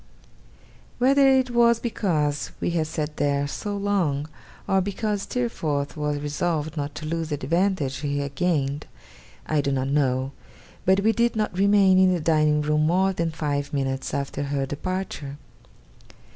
Whether it was because we had sat there so long, or because Steerforth was resolved not to lose the advantage he had gained, I do not know; but we did not remain in the dining room more than five minutes after her departure.